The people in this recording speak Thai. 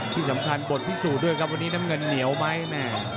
ที่สำคัญบทพิสูจน์ด้วยครับวันนี้น้ำเงินเหนียวไหมแม่